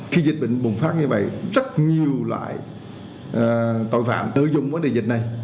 khi dịch bệnh bùng phát như vậy rất nhiều loại tội phạm tự dung vấn đề dịch này